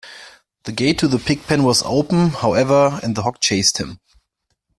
The gate to the pigpen was open, however, and the hog chased him.